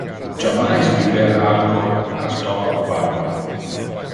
Jammais biber alcohol a stomacho vacue.